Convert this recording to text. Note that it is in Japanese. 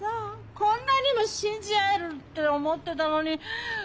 こんなにも信じ合えるって思ってたのに。